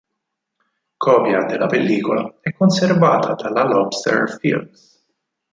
Copia della pellicola è conservata dalla Lobster Films.